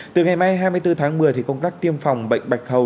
từ ngày mai hai mươi bốn tháng một mươi công tác tiêm phòng bệnh bạch hầu